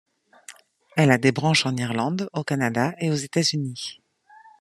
Elle a des branches en Irlande, au Canada et aux États-Unis.